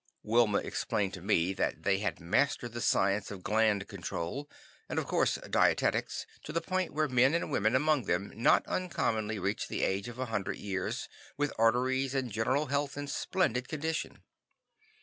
Wilma explained to me that they had mastered the science of gland control, and of course dietetics, to the point where men and women among them not uncommonly reached the age of a hundred years with arteries and general health in splendid condition.